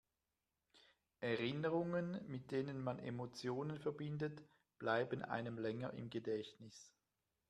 Erinnerungen, mit denen man Emotionen verbindet, bleiben einem länger im Gedächtnis.